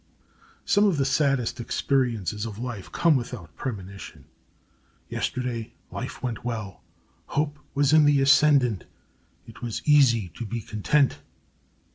Some of the saddest experiences of life come without premonition. Yesterday life went well; hope was in the ascendant; it was easy to be content.